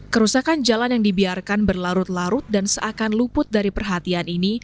kerusakan jalan yang dibiarkan berlarut larut dan seakan luput dari perhatian ini